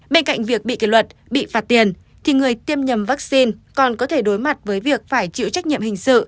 bên cạnh việc bị kỷ luật bị phạt tiền thì người tiêm nhầm vaccine còn có thể đối mặt với việc phải chịu trách nhiệm hình sự